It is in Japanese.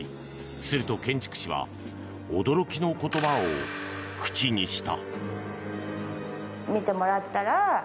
すると、建築士は驚きの言葉を口にした。